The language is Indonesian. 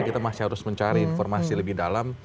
kita masih harus mencari informasi lebih dalam